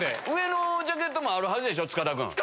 上のジャケットもあるはずでしょ塚田君。